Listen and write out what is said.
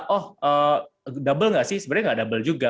oh double nggak sih sebenarnya nggak double juga